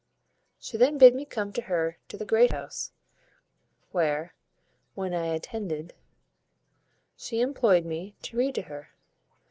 She then bid me come to her to the great house; where, when I attended, she employed me to read to her.